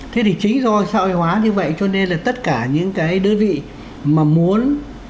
thế thì chính do sõi hóa như vậy cho nên là tất cả những cái đơn vị mà muốn